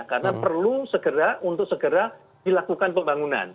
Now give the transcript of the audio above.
karena perlu segera untuk segera dilakukan pembangunan